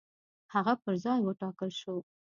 هغه پر ځای وټاکل شو.